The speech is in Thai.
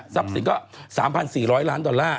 สินก็๓๔๐๐ล้านดอลลาร์